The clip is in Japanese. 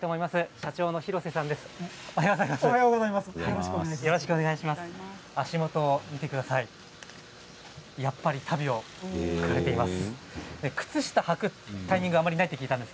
社長の廣瀬さんです。